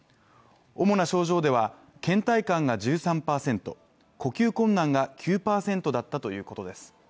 主な症状では、けん怠感が１３％、呼吸困難が９％だったということです。